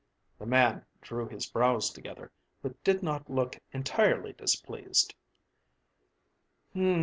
The man drew his brows together, but did not look entirely displeased.